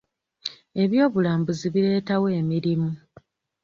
Eby'obulambuzi bireetawo emirimu.